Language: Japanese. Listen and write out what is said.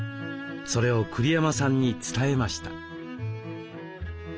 それを栗山さんに伝えました。